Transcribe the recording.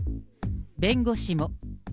弁護士も。